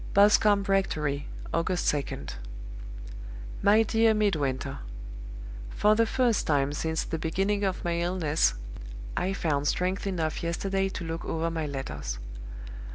"Boscombe Rectory, August 2d. "MY DEAR MIDWINTER For the first time since the beginning of my illness, I found strength enough yesterday to look over my letters.